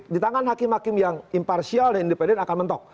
di tangan hakim hakim yang imparsial dan independen akan mentok